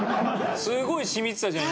すごい染みてたじゃん